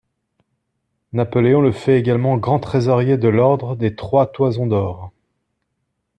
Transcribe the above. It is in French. Napoléon le fait également grand-trésorier de l'Ordre des Trois-Toisons d'Or.